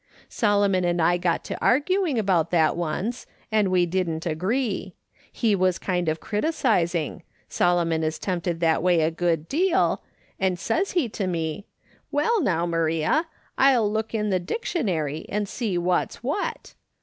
Solomon and I got to arguing about that once, and we didn't agree. He was kind of criticising — Solo mon is tempted that way a good deal — and says he to mc :* AVell, now, Maria, I'll look in the dictionary and see what's what.'